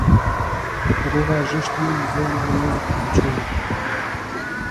Од оваа жештина му зоврива мозокот на човека.